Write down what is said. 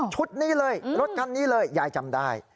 ชุดนี้เลยรถคันนี้เลยยายจำได้